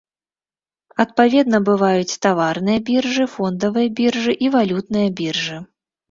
Адпаведна бываюць таварныя біржы, фондавыя біржы і валютныя біржы.